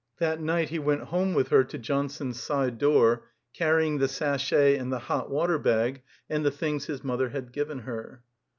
That night he went home with her to Johnson's side door, carrying the sachet and the hot water bag and the things his mother had given her.